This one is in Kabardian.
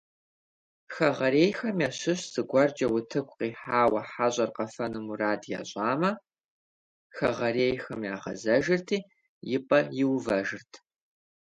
Хэгъэрейхэм ящыщ зыгуэркӀэ утыку къихьауэ хьэщӀэр къагъэфэну мурад ящӀамэ, хэгъэрейхэм игъэзэжырти, и пӀэ иувэжырт.